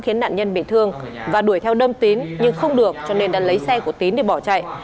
khiến nạn nhân bị thương và đuổi theo đâm tín nhưng không được cho nên đã lấy xe của tín để bỏ chạy